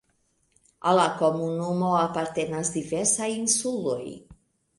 Al la komunumo apartenas diversaj insuloj.